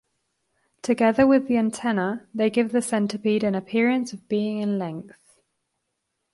Together with the antennae they give the centipede an appearance of being in length.